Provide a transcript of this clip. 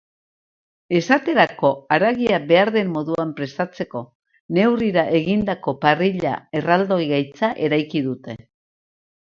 Esaterako, haragia behar den moduan prestatzeko neurrirako eginda parrilla herdoilgaitza eraiki dute.